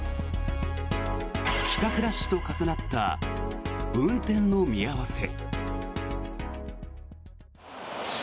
帰宅ラッシュと重なった運転の見合わせ。